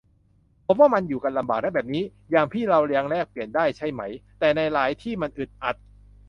ผมว่ามันอยู่กันลำบากนะแบบนี้ อย่างพี่เรายังแลกเปลี่ยนได้ใช่ไหม แต่ในหลายที่มันอึดอัด